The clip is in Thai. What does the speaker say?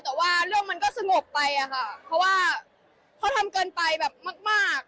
แต่ว่าเรื่องมันก็สงบไปอะค่ะเพราะว่าพอทำเกินไปแบบมาก